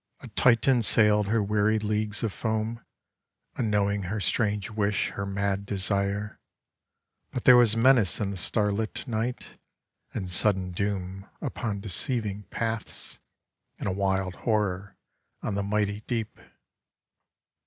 A Titan sailed her weary leagues of foam, Unknowing her strange wish, her mad desire. But there was menace in the starlit night. And sudden doom upon deceiving paths. And a wild horror on the mighty deep.